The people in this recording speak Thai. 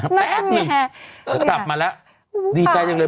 แป๊บนี่เห็นป่าวล่ะหรือไม่กลับมาแล้วดีใจจังเลย